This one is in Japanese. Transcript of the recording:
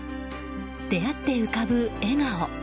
出会って浮かぶ笑顔。